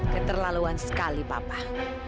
keterlaluan sekali bapak